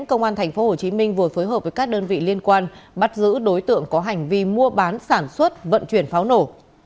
công an thành phố hồ chí minh vừa phối hợp với các đơn vị liên quan bắt giữ đối tượng có hành vi mua bán sản xuất vận chuyển pháo nổ